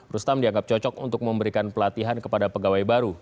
rustam dianggap cocok untuk memberikan pelatihan kepada pegawai baru